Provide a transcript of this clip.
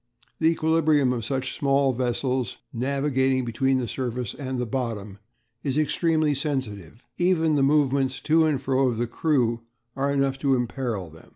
The equilibrium of such small vessels navigating between the surface and the bottom is extremely sensitive; even the movements to and fro of the crew are enough to imperil them.